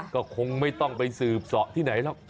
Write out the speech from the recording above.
ก็คงไม่ต้องไปสืบเสาะที่ไหนหรอก